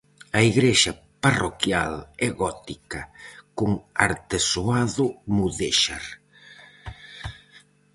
A igrexa parroquial é gótica con artesoado mudéxar.